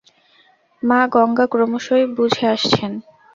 মা গঙ্গা ক্রমশই বুজে আসছেন।